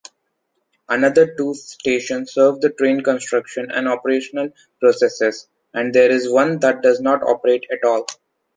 Another two stations serve the train construction and operational processes, and there is one that does not operate at all.